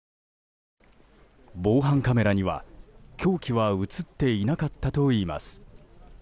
防犯カメラには凶器は映っていなかったといいます。